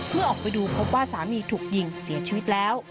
เมื่อออกไปดูพบว่าสามีถูกยิงเสียชีวิตแล้ว